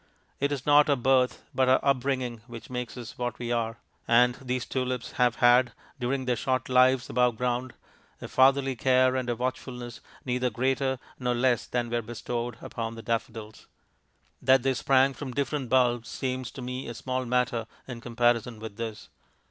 It is not our birth but our upbringing which makes us what we are, and these tulips have had, during their short lives above ground, a fatherly care and a watchfulness neither greater nor less than were bestowed upon the daffodils. That they sprang from different bulbs seems to me a small matter in comparison with this.